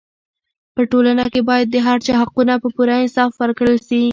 په ټولنه کې باید د هر چا حقونه په پوره انصاف ورکړل سي.